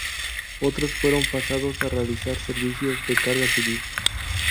Otros fueron pasados a realizar servicios de carga civil.